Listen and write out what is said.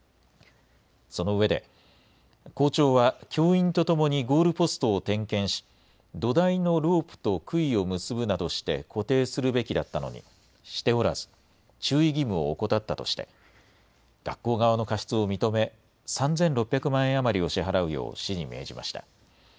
そのうえで校長は教員とともにゴールポストを点検し土台のロープとくいを結ぶなどして固定するべきだったのにしておらず注意義務を怠ったとして学校側の過失を認め３６００万円余りを支払うよう市に命じました。